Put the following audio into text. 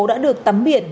đã được tắm biển